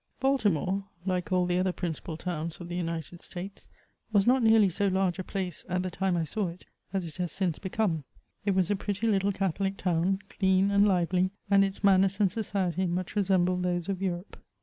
Baltimore, like all the other principal towns of the United States, was not nearly so large a place at the time I saw it as it has since hecome ; it was a pretty little Catholic town, clean and lively, and its manners and society much resembled those of Europe.